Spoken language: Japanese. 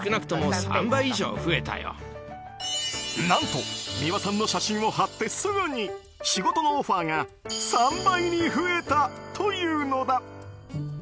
何と美輪さんの写真を貼ってすぐに仕事のオファーが３倍に増えたというのだ。